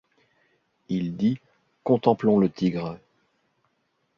Il dit : contemplons le tigre.